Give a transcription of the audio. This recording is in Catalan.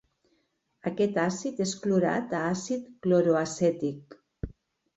Aquest àcid és clorat a àcid cloroacètic.